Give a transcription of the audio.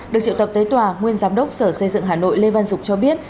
được triệu tập tới tòa nguyên giám đốc sở xây dựng hà nội lê văn dục cho biết